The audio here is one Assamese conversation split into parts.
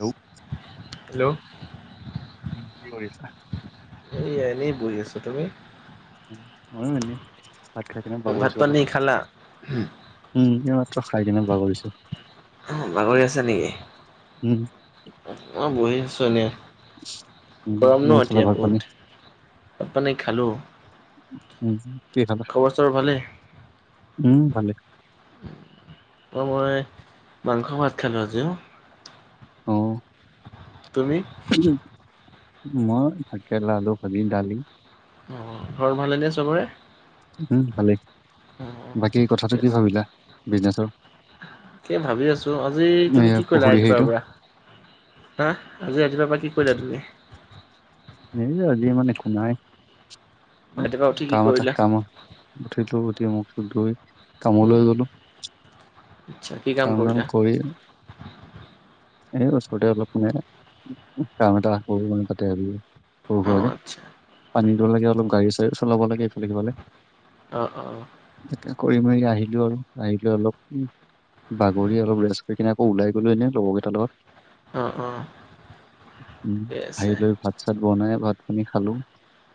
হেল্ল'। হেল্ল'। উম, কি কৰি আছা? এয়া এনেই বহি আছো তুমি? ময়ো এনে, ভাত খাই কিনে ভাত বাগৰিচো পানী অলপ। খালা উম, এই মাত্ৰ খাই কিনে বাগৰিছো। বাগৰি আছে নেকি, উম, অঁ' বহি আছোঁ এনে। উম, গৰম ন তুমি খালা এতিয়া ভাত পানী? বহুত, ভাত পানী খালোঁ। উম, কিহে খালা, চবৰ ভালেই উম ভালেই। অঁ' মই, মাংস ভাত খালোঁ আজি অ'। অঁ'। তুমি? ময়ো, ভাতকেৰেলা, আলো, ভাজি, দালি। অ ঘৰত ভালেনে চবৰে? উম ভালেই, অ বাকী কথাটো ঠিকে কি আছে ভাবিলা, বিজনেচৰ? এ ভাবি আছো, আজি তুমি এইয়া কি কৰিলা পুখুৰী ৰাতিপুৱাৰ হেৰিটো? পৰা? হা, আজি ৰাতিপুৱাৰ পৰা কি কৰিলা তুমি? হেই আজি মানে একো নাই, অ ৰাতিপুৱা উঠি কি কাম এটা কৰিলা কামত উঠিলো উঠি মুখ চুখ ধুই উম কামলৈ গলো। আচ্ছা কি কাম চাম কৰিলা কৰি এই ওচৰতে অলপ মানে কাম এটা কৰো মানে তাতে আজি সৰু অ সুৰাকে আচ্ছা পানী দ লাগে অল গাড়ী চাৰি চলাব লাগে ইফালে সিফালে অ অ অ তাকে কৰি মেলি আহিলো আৰু আহিলো অলপ উ বাগৰি অলপ ৰেচকাই কিনে আকৌ ওলাই গলো এনে লগ অ অ ঠিকে আছে [unintelligible] তাছত বনাই ভাত পানী খালো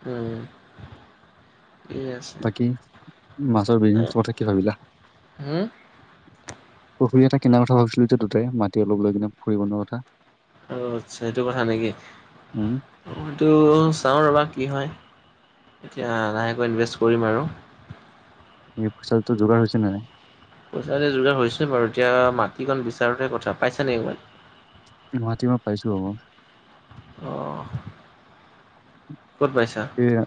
উম ঠিকে আছে বাকী মাছৰ বিজনেছ কথা কি ভাবিলা হম পুখুৰী এটা কিনাৰ কথা ভাবিছিলো এতিয়া ততে মাটি অলপ লৈ কিনে পুখুৰী বনোৱাৰ কথা আচছা সেইটো কথা নেকি উম টো চাওঁ ৰ'বা কি হয় এতিয়া লাহেকৈ ইনভেষ্ট কৰিম আৰু এই পইচাটো যোগাৰ হৈছে নাই পইচা যোগাৰ হৈ হৈছে বাৰু এতিয়া মাটিকণ বিচাৰোহে কথা পাইছা নেকি [unintelligible] গুৱাহাটী মই পাইছো হব অ ক'ত পাইছা এয়া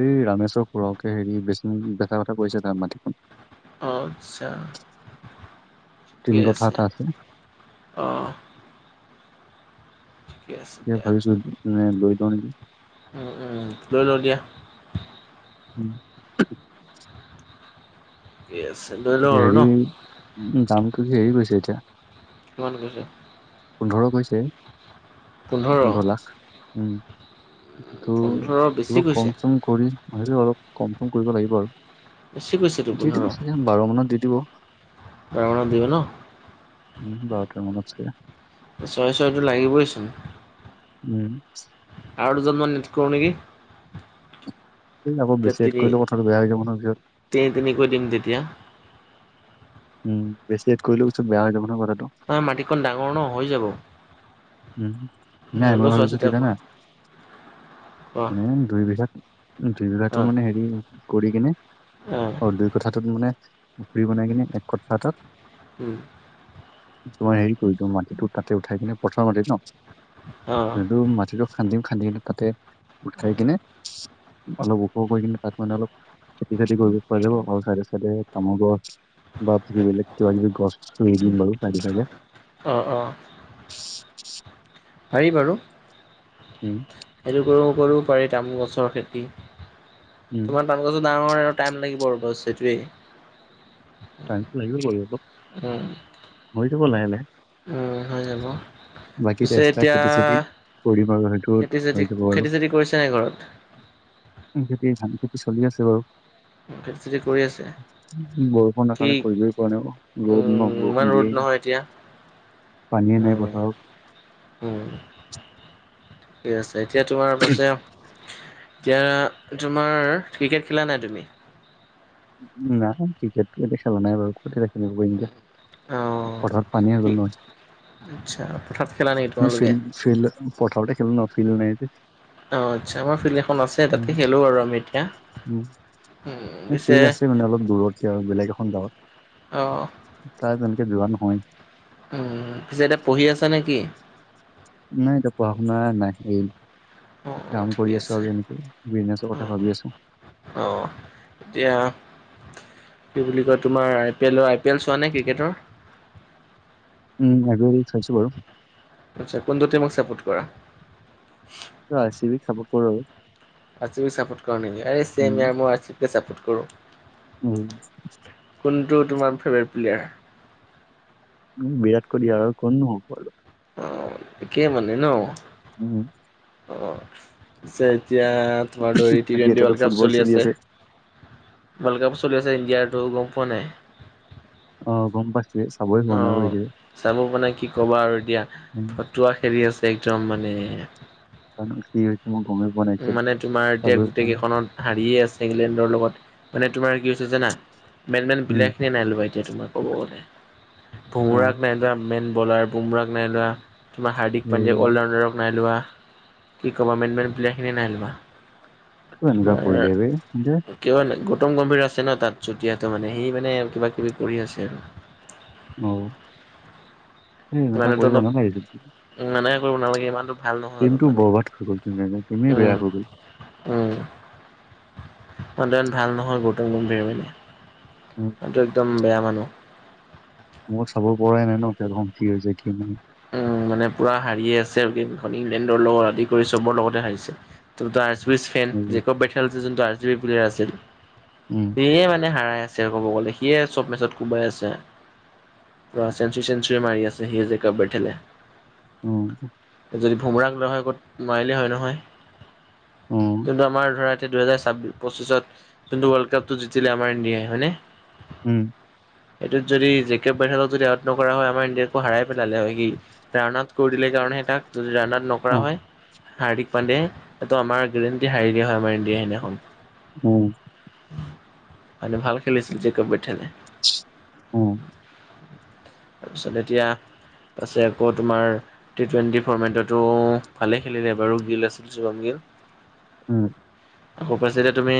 এই ৰামেশ্বৰ খুড়াকে হেৰি বেছিম বেচা কথা কৈছে তাৰ মাটিখন অ আচ্ছা ঠিকে তিনি কথা আছে এটা অঁহ আছে এতিয়া দিয়া ভাৱিছোঁ মানে জৰিত নেকি লৈ লওঁ দিয়া উম থিকেই আছে লৈ লওঁ আৰু হেৰি ন দামটো যে হেৰি কৈছে এতিয়া কিমান কৈছে পোন্ধৰ কৈছে পোন্ধৰ লাখ উম তো পোন্ধৰ বেছি অলপ কৈছে কম চম কৰি তথাপিও অলপ কম চম কৰিব লাগিব আৰু বেছি কৈছে দেখোন দি দিব অহ চাগে পোন্ধৰ বাৰ মানত দি দিব উম বাৰ মানত দিব ন বাৰটা‌ তেৰ মানত চাগে ছয় ছয়টো লাগিবই চোন উম আৰু দুজন‌ মান এড কৰো নেকি। এই আকৈ বেছি তেতিয়া এড তিনি কৰিলে কথাটো বেয়া হৈ হৈছে যাব নহয় পিছত তিনি তিনিকৈ দিম তেতিয়া উম বেছি এড কৰিলো বস্তু বেয়া হৈ যাব নহয় কথাটো তাৰ মাটি কণ ডাঙৰ ন হৈ যাব উম নাই মই সিহঁতও চোৱা ভাবিছো চিতা কি কৰা জানা অ মানে দুইবিঘা জীৱিকা টো মানে হেৰি কৰি কিনে অহ অ দুই কথাটোত মানে পুৰি বনাই কিনে এক কথা এটাত উম তোমাৰ হেৰি কৰি দিওঁ মাটিতো তাতে উঠাই কিনে পথাৰ মাটি ন অ তেতিয়াতো মাটিতটো খান্দিম খান্দি কিনে তাতে গোট খাই কিনে অলপ ওখ কৰি কিনে তাত মানে অলপ খেতি বাতি কৰিব পাৰিব‌ যাব আৰু চাইডে চাইডে তামোল গছ বা [unintelligible] পক বেলে গ হ দিম বু নাি মাগে অহ অহ পাৰি বাৰু উম সেইটো কৰো কৰও পাৰি তামোল গছৰ খেতি উম তোমাৰ তামোল গছটো ডাঙৰ আৰু টাইম লাগিব আৰু বচ সেইটোৱেই টাইমটো লাগিব কৰিব অলপ উম হৈ যাব লাহে লাহে উম হৈ যাব বাকীত পিছে এক্সট্ৰাত এতিয়া খেতি চেতি কৰিম আৰু হয়টো খেতি চেতি হৈ যাব খেতি আৰু চেতি কৰিছে নাই ঘৰত এতিয়া ধান খেতি চলি আছে বাৰু খেতি চতি কৰি আছে উম, বৰষুণৰ কি কাৰণে কৰিবই পৰা নাই ৰ'দ ন উম বৰষুণ ইমান দিয়েই ৰ'দ নহয় এতিয়া পানীয়ে নাই পথাৰত উম ঠিক আছে এতিয়া তোমাৰ পাছে এতিয়া তোমাৰ ক্ৰিকেট খেলা নাই তুমি না ক্ৰিকেটো এতিয়া খেলা নাই বাৰু পথাৰ পানী হৈ অ গল নহয় আচ্ছা, পথাৰত খেলা নেকি তোমালোকে? ফিল্ড ফিল্ড পথাৰতে খেলো ন ফিল্ড নাই যে। অ' আচ্ছা আমাৰ ফিল্ডখন আছে, উম তাতে খেলো আৰু আমি। উম' ফিল আছে মানে অলপ দূৰতকে আৰু বেলেগ এখন গাঁৱত। অ' তাত তেনেকে যোৱা নহয়। উম পিছে এতিয়া পঢ়ি আছা নে কি? নাই এতিয়া পঢ়া-শুনা নাইয়ে, অ অ কাম ঠিকে কৰি আছোঁ আছে আৰু এনেকে। বিজনেছৰ অ কথা ভাবি আছোঁ। অ' এতিয়া কি বুলি কয় তোমাৰ আই পি এলৰ, আই পি এল চোৱা নাই ক্ৰিকেটৰ। উম' আজৰিত চাইছোঁ বাৰু। আচ্ছা, কোনটো টিমক ছাপোৰ্ট কৰা? অ' আৰ চিবিক চাপোৰ্ট কৰো আৰু। আৰ চিবিক চাপোৰ্ট কৰা নেকি? আৰে চেম উম ইয়াৰ মইয়ো আৰ চিবিকে চাপোৰ্ট কৰো। উম' কোনটো তোমাৰ ফেভাৰেট প্লেয়াৰ? উম' বিৰাট কোহলি আৰু কোননো হ'ব আৰু। একে মানে ন। উম' অ' পিছে এতিয়া তোমাৰ ধৰি টি বাকী টুৱেণ্টি এতিয়াতো ৱৰ্ল্ড কাপ ফুটবল চলি আছে। ৱৰ্ল্ড কাপ চলি আছে ইণ্ডিয়াৰ, তই গম পোৱা নাই। অ' গম পাইছোঁ। চে চাবইয়ে অ' চাব মানে কি ক'বা আৰু এতিয়া উম ফতুৱা খেলি আছে একদম মানে। জানোঁ কি হৈছে? মই গমেই পোৱা নাই। এতিয়ালৈ মানে তোমাৰ এতিয়া চাবই গোটেই পোৱা নাই কেইখনত হাৰিয়ে আছে ইংলেণ্ডৰ লগত মানে তোমাৰ কি হৈছে জানা, মেন-মেন উম প্লেয়াৰ খিনিয়ে নাই লোৱা। এতিয়া তোমাৰ ক'ব গ'লে, অ বোমৰাক নাই লোৱা মেন বলাৰ, বোমৰাক নাই লোৱা। তোমাৰ হাৰ্দিক এই পাণ্ডেয়াক অ'ল ৰাউণ্ডাৰক নাই লোৱা, কি ক'বা মেণ্টমেণ্ট প্লেয়াৰখিনিয়ে নাই লোৱা। কিয় এনেকুৱা তোমাৰ কৰি দিয়ে বে। কি যে কিয় এনে গৌতম গম্ভীৰ আছে ন তাত চুটিয়াটো মানে সি মানে আৰু কিবা-কিবি কৰি আছে আৰু। অ' সেই এনেকুৱা মানুহটো কৰিব অলপ নালাগিছিল। মানাই কৰিব নালাগে ইমানটো ভাল নহয় অলপ গেমটো মানে বৰবাদ হয় গ'ল ধুনীয়াকে, গেমে বেয়া উম হৈ গ'ল। উম' মানুহতো ইমান ভাল নহয়, গৌতম গম্ভীৰ মানে। উম এইটো একদম বেয়া মানুহ। মই চাব পৰাই নাই ন, খেলখন কি হৈছে কি নাই। উম' মানে পুৰা হাৰিয়ে আছে গেমখনি, ইংলেণ্ডৰ লগত আদি কৰি চবৰ লগতে হাৰিছে। এইটো দা আৰ চিবি খেল, এই জেকব বেথেল যিজন the R C B player আছিল, উম সিয়ে মানে হাৰাই আছে। আছে ক'ব গ'লে, সিয়ে চব মেচত কোবাই আছে, পুৰা চেঞ্চুুৰী-চেঞ্চুৰি মাৰি আছে। সিয়েই যে দা বেঠেলে। উম'। যদি বোমৰাক লোৱা হয় ক'ত নোৱাৰিলে হয় নহয়, উম যোনটো আমাৰ ধৰা এতিয়া দুহেজাৰ ছাবিশত, পচ্চিশত যোনটো ৱৰ্ল্ড কাপটো জিকিলে আমাৰ ইন্দিয়াই, হয়নে? উম'। এইটোত যদি জে কে বায়েলক যদি আউট নকৰা হয়, আমাৰ ইন্দিয়াকো হাৰাই পেলালে হয় সি, ৰান আউট কৰি দিলে কাৰণে হে তাক, যদি ৰান আউট নকৰা অ হয় হাৰ্দিক পাণ্ডেয়াই, এইটো আমাৰ গেৰেণ্টি হাৰিলে দিয়া হয়, আমাৰ ইণ্ডিয়াই সেইদিনাখন। উম মানে ভাল খেলিছিল জে কে বেথেলে। উম'। তাৰপিছত এতিয়া পাছে আকৌ তোমাৰ টি টুৱেণ্টি ফৰ্মেটতো ভালেই খেলিলে বাৰু, গিল আছিল শুভমগিল। উম'। [unintelligible] তুমি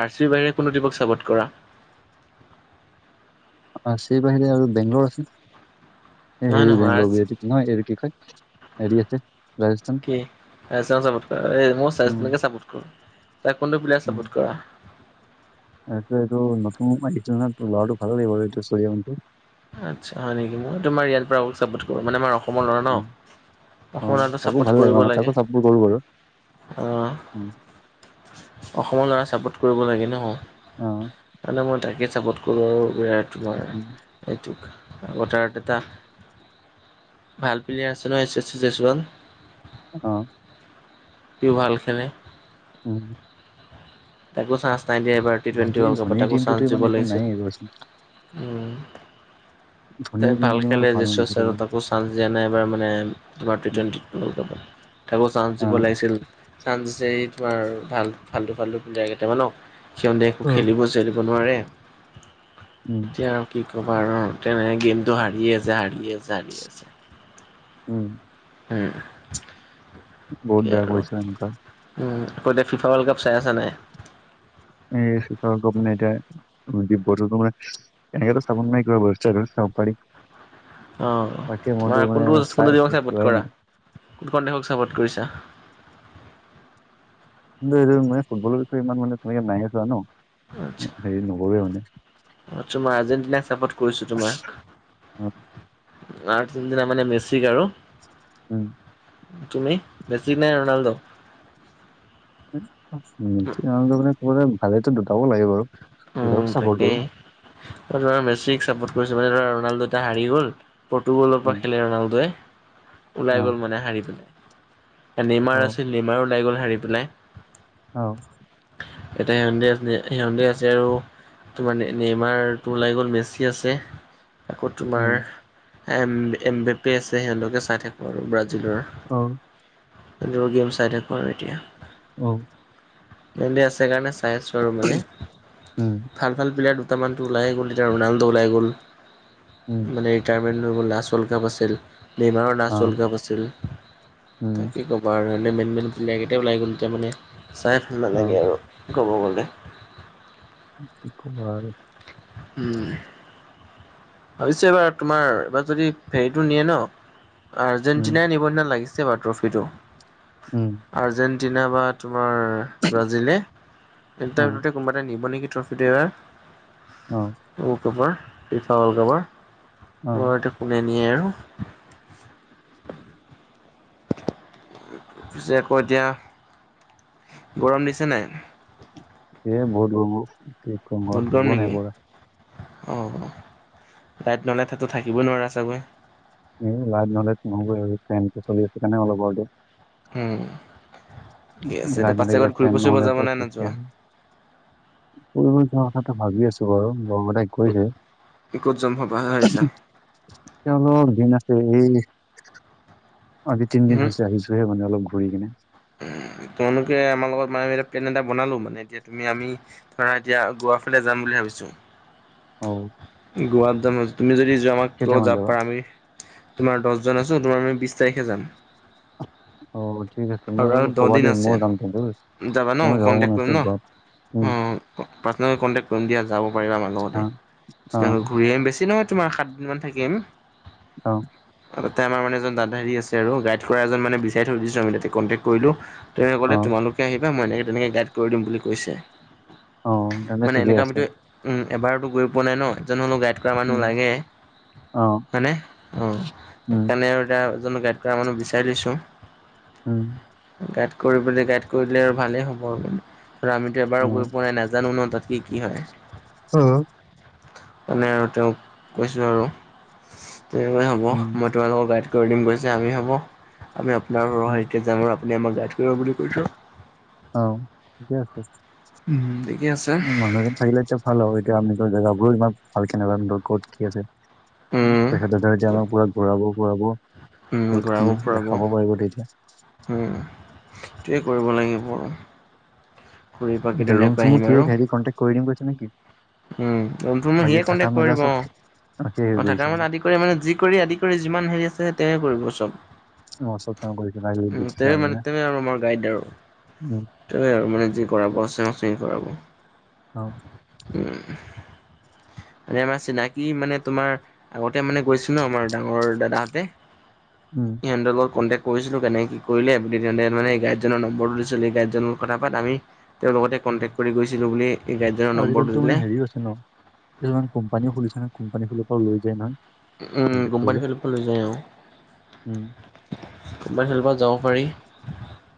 আৰ চিৰ বাহিৰে কোনটো টীমক চাপৰ্ট কৰা? আৰ চিৰ বাহিৰে আৰু বেংলোৰ আছে। হেৰি নহয় নহয় আৰ [unintelligible] কি কয় হৰি আছে ৰাজস্থান। [unintelligible] [unintelligible] উম তাকে কোনটো প্লেয়াৰ উম চাপৰ্ট কৰা? এইটো নতুন [unintelligible] তোৰ ল'ৰাটোক ভাল লাগিব এইটো [unintelligible] আচ্ছা হয় নেকি? মই তোমাৰ ইয়াৰ পৰা আৰু চাপৰ্ট কৰো মানে মই অসমৰ ল'ৰা ন। অ অ অসমৰ ল'ৰা তোক তাকো ছাপোৰ্ট ভাল কৰিব অ লাগে তাকো চাপৰ্ট কৰো বাৰু আহ'। উম অসমৰ ল'ৰা ছাপোৰ্ট কৰিব লাগে নহ, অ নহ'লে মই তাকেই ছাপৰ্ট [unintelligible] উম এইটোক [unintelligible] এটা ভাল প্লেয়াৰ আছে ন এচ এছ চি জেছ এছোৱান। অহ। সিও ভাল খেলে। উম। তাকো চান্চ নাই দিয়া এইবাৰ টি টুৱেণ্টি বাকী ৱৰ্ল্ড কাপত ধনীৰ তাকো চান্স টিমটোত দিব ইমান একো লাগিছিল। নাইয়ে এইবাৰ উম ধনীৰ যায় ভাল টিমটো ইমান খেলে নেখেলে [unintelligible] তাকো চান্স দিয়া নাই এইবাৰ মানে টি উম টুৱেন্টি ৱৰ্ল্ড কাপত। তাকো চান্স অ দিব লাগিছিল। চান্স দিছে তোমাৰ ভাল ফাল্টো ফাল্টো প্লেয়াৰ কেইটামানক। সিহঁতে একো খেলিব-চেলিব নোৱাৰে, উম এতিয়া কি ক'বা আৰু, তেনেকেই গেমটো হাৰি আছে, হাৰি আছে, হাৰি আছে। উম'। উম বহুত তাকে বেয়া আৰু। কৰিছে এনেকুৱা উম আকৌ এতিয়া ফিফা ৱৰ্ল্ড কাপ চাই আছা নাই? উম ফিফা ৱৰ্ল্ড কাপ মানে এতিয়া [unintelligible] এনেকেটো চাব নোৱাৰি, কিবা বস্তু এটা চাব পাৰি। অহ বাকী মইতো তোমাৰ মানে কোনটো চাই কোনটো টিমক আছিলো চাপৰ্ট চোৱাই কৰা? নাই কোনখন দেশক চাপৰ্ট কৰিছা? মই ফুটবলৰ বিষয়ে ইমান মানে তেনেকে নাই এ চোৱা ন'। আচ্ছা হেৰি নকৰোৱে মানে তোমাৰ আৰ্জেণ্টিনাক চাপৰ্ট কৰিছো তোমাৰ। অ। আৰ্জেণ্টিনা মানে মেচিক আৰু? উম'। তুমি মেছিক নে ৰোনাল্ডো? মেচি ৰনালডো মানে ভালেটো দুটাই লাগে বাৰু। দুটাকো উম চাপৰ্ট কৰো তাকেই মই ধৰা মেচিক চাপৰ্ট কৰিছো, মানে ধৰা ৰণাল্ডো এটিয়া হাৰি গ'ল। পৰ্টুগলৰ উম পৰা খেলে ৰোনাল্ডোই। অ ওলাই গ'ল মানে হাৰি পেলাই, অ লেইমাৰ আছিল লেইমাৰো ওলাই গ'ল হাৰি পেলাই। অ এতিয়া সিহঁতে আছে সিহঁতে আছে আৰু তোমাৰ নি নিৰ্মাৰতো ওলাই গ'ল মেচি আছে আকৌ তোমাৰ উম এম এম বে পে আছে সিহঁতকে চাই থাকো আৰু ব্ৰাজিলৰ অ দ গেম চাই থাকো আৰু এতিয়া অ সিহঁতে আছে কাৰণে চাই আছো আৰু মানে উম ভাল ভাল প্লেয়াৰ দুটামানটো ওলাই গ'ল এতিয়া ৰণাল্ডো ওলাই গ'ল উম মানে ট্টাবিল লাষ্ট ৱলকাপ আছিল মেহ মাহৰো‌ অ লাষ্ট ৱলকাপ আছিল ছিল উম তাকে কি ক'বা আৰু এনে মেনমেন প্লিয়াৰ কেইটাই ওলাই গ'ল এতিয়া মানে চাই অ নালাগে আৰু ক'ব গ'লে কি কবা আৰু উম ভাবিছো এইবাৰ তোমাৰ এইবাৰ যদি ফেৰিটো নিয়ে ন উম আৰ্জেণ্টিনাই নিব নিচিনা লাগিছে এইবাৰ ট্ৰফিটো উম আৰ্জেণ্টিনা বা তোমাৰ ব্ৰাজিলে অ [unintelligible] কোনোবা এটাই নিব নেকি ট্ৰফিটো এইবাৰ অ অ [unintelligible] কোনে নিয়ে আৰু পিছে আকৌ এতিয়া গৰম দিছে নাই এই বহুত গৰম ও কি কম থাকিব নাই পৱা অ [unintelligible] থাকিবই নোৱাৰা চাগৈ উম লাইট‌ নহলে নহ'বই আৰু ফেনটো চলি আছে কাৰণে অলপ উম ঠিকে আছে লাইট এতিয়া নাথাকিলে পাচিঘাট ফেন ঘূৰিব চুৰিব নহ'লেতো যাবা নে নোযোৱা ফূৰিব যোৱাৰ কথাটো ভাবি আছো বাৰু [unintelligible] কৈছে ক'ত যাম ভাবা ভাবিছা? তেওঁলোকৰ দিন আছে এই আজি তিনদিন হৈছে আহিছোহে মানে অলপ ঘূৰি কিনে তোমলোকে আমাৰ লগত মানে ফেন এটা বনালো মানে এতিয়া তুমি আমি ধৰা এতিয়া গোৱাফালে যাম বুলি ভাবিছো অ গোৱাত যাম তুমি যদি যোৱা আমাক য কেইটামান যাব যাবা? পাৰা আমি তোমাৰ দহজন আছো তোমাৰ আমি বিশ তাৰিখে যাম। অ ঠিক আছে মই আৰু আৰু ভাবো দহ কবা দিন দেই আছে যাবা ন মোৰো যাব মন কণ্টেক্ট কৰিম আছে ন? গোৱাত অ', পাৰ্চনেল কণ্টেক কৰিম দিয়া যাব পাৰিবা আমাৰ অ' লগতে অ' ঘূৰি আহিম বেছি নহয় তোমাৰ সাতদিনমান থাকি আহিম অ তাতে আমাৰ মানে এজন দাদা হেৰি আছে আৰু গাইড কৰা এজন মানে বিচাৰি থৈ দিছো আমি তাতে কন্টেক কৰিলো। তেওঁয়ে ক'লে অ' তোমালোকে আহিবা মই এনেকে তেনেকে গাইড কৰি দিম বুলি কৈছে। অ' তেন্তে মানে ঠিকেই এনকা আছে। আমিতো উম এবাৰতো গৈ পোৱা নাই ন জেনো অলপ গাইড গাইড কৰা মানুহ উম, লাগে অ' হয়নে অ উম, সেইকাৰণে আৰু এতিয়া এজনক গাইড এতিয়া মানুহ বিচাৰিছো উম গাইড কৰিবলে গাইড কৰি দিলে আৰু ভালেই হ'ব আৰু আৰু আমিতো অ' এবাৰো গৈ পোৱাই নাই নাজানো ন তাত কি কি হয় অ মানে আৰু তেওঁক কৈছো আৰু তেনে হব উম, মই তোমালোকক গাইড কৰি দিম কৈছে আমি হব আমি আপোনাৰ উম, সহায় ডাঙৰ আপুনি আমাক গাইড কৰিব বুলি কৈছো অ ঠিকেই আছে ঠিকে আছে মানুহ এজন থাকিলে এতিয়া- ভাল হব এতিয়া আমিতো জেগাবোৰো ইমান ভালকে নাজানো ন ক'ত কি আছে উম তেখেতেতো এতিয়া ক'ত আমাক পুৰা ঘূৰাব-ফুৰাব। উম কত কি ঘূৰাব ফুৰাব দেখাব পাৰিব তেতিয়া উম এইটোৱেই কৰিব লাগিব বাৰু এতিয়া ৰুম চুমো আহিম সিয়ে আৰু চাই দি কনটেক্ট কৰি দিম কৈছ নে কি উম ৰুম চুমো সিয়ে কণ্টেক্ট কৰি মেলা দিব চব অ সিয়ে হেৰি অ কৰিছে থকাৰ মানে নেকি আদি কৰি মানে যি কৰি আদি কৰি যিমান হেৰি আছে সেই তেৱে কৰিব চব অ চব তেওঁ কৰিছে লাগিলে দি উ তেৱে মানে তেৱে আৰু আমাৰ গাইড আৰু উ তেৱেই আৰু মানে যি কৰাব আছে সেই কৰাব অ উম মানে আমাৰ চিনাকি মানে তোমাৰ আগতে মানে গৈছিলো আমাৰ ডাঙৰ দাদাহঁতে উম সিহঁতৰ লগত কন্টেক্ট কৰিছিলো কেনে কি কৰিলে সেই তেহেঁতে মানে এই গাইডজনৰ নম্বৰটো দিছিল সেই গাইডজনৰ লগত কথা পাত আমি তেওঁৰ লগতে কণ্টেক্ট কৰি গৈছিলো বুলি এই গাইডজনৰ আজি নম্বৰটো কালিতো দিলে মানে হেৰিও আছে ন কিছুমান কোম্পানীও খুলিছে নহয় কোম্পানী খুলাৰ পৰাও লৈ যায় নহয় উম কণ্টেক্ট কোম্পানী কৰিলে ফালৰ পৰা লৈ যায় অ উম কোম্পানী ফালৰ পৰা যাব পাৰি